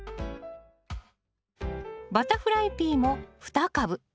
バタフライピーも２株。